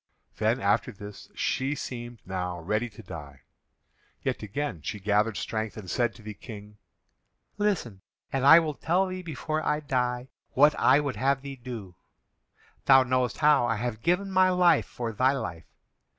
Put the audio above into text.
'" Then, after this, she seemed now ready to die, yet again she gathered strength, and said to the King: "Listen, and I will tell thee before I die what I would have thee do. Thou knowest how I have given my life for thy life.